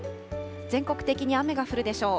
全国的に雨が降るでしょう。